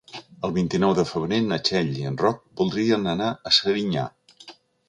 El vint-i-nou de febrer na Txell i en Roc voldrien anar a Serinyà.